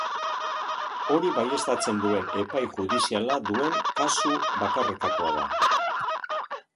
Hori baieztatzen duen epai judiziala duen kasu bakarretakoa da.